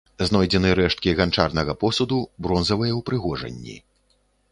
Знойдзены рэшткі ганчарнага посуду, бронзавыя ўпрыгожанні.